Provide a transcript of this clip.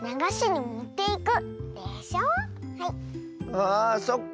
あそっか。